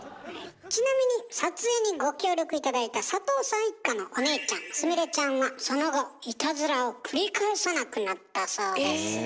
ちなみに撮影にご協力頂いた佐藤さん一家のお姉ちゃんのすみれちゃんはその後いたずらを繰り返さなくなったそうです。え。